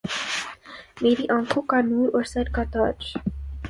میری آنکهون کا نور أور سر کا تاج